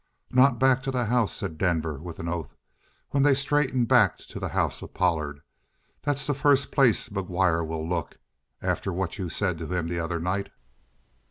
"Not back to the house!" said Denver with an oath, when they straightened back to the house of Pollard. "That's the first place McGuire will look, after what you said to him the other night."